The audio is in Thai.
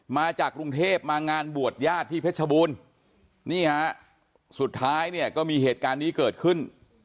มาจากกรุงเทพฯมางานบวชญาติที่เพชรบุญสุดท้ายก็มีเหตุการณ์นี้เกิดขึ้น